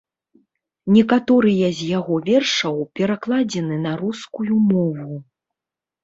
Некаторыя з яго вершаў перакладзены на рускую мову.